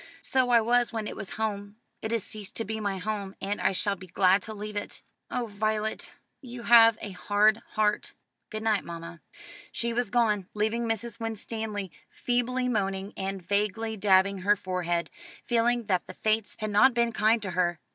"So I was when it was home. It has ceased to be my home, and I shall be glad to leave it." "Oh, Violet, you have a hard heart." "Good night, mamma." She was gone, leaving Mrs. Winstanley feebly moaning, and vaguely dabbing her forehead, feeling that the Fates had not been kind to her.